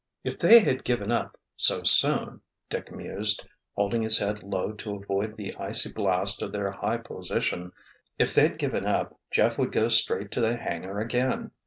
"If they had given up, so soon," Dick mused, holding his head low to avoid the icy blast of their high position, "if they'd given up Jeff would go straight to the hangar again.